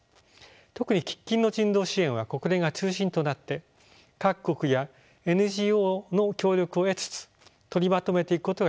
特に喫緊の人道支援は国連が中心となって各国やＮＧＯの協力を得つつ取りまとめていくことが必要でしょう。